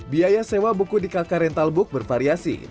biaya sewa buku di kakak rental book bervariasi